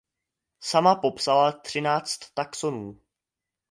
Sama popsala třináct taxonů.